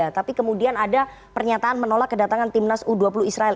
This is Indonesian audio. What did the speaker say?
tapi kemudian ada pernyataan menolak kedatangan timnas u dua puluh israel